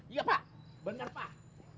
iya pak benar pak